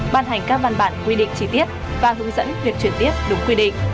ban hành các văn bản quy định chi tiết và hướng dẫn việc chuyển tiếp đúng quy định